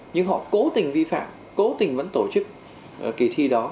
nhưng họ cố tình vi phạm cố tình vẫn tổ chức kỳ thi đó